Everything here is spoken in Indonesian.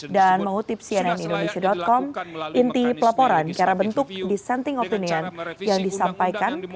dan mengutip cnnindonesia com inti pelaporan kera bentuk dissenting opinion yang disampaikan